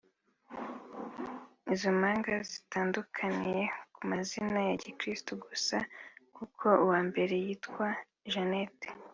Izo mpanga zitandukaniye ku mazina ya gikristu gusa kuko uwa mbere yitwa Jeanette